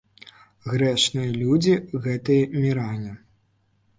Грэшныя людзі гэтыя міране.